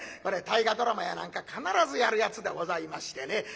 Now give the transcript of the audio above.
これ「大河ドラマ」や何か必ずやるやつでございましてね。